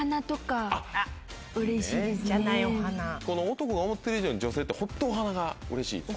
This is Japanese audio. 男が思ってる以上に女性ってホントお花がうれしいっていう。